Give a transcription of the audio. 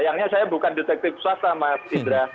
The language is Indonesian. sayangnya saya bukan detektif swasta mas indra